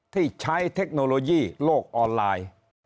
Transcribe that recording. ที่ใช้เทคโนโลยีโลกออนไลน์